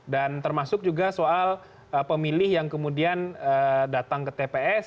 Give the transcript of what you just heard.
dan termasuk juga soal pemilih yang kemudian datang ke tps